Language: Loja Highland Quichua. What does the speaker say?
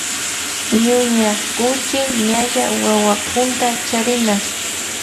Ñuña kuchi ñalla wawakunta charina.